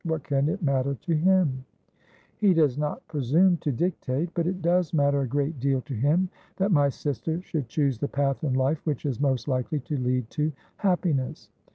What can it matter to him ?'' He does not presume to dictate : but it does matter a great deal to him that my sister should choose the path in life which is most likely to lead to happiness.'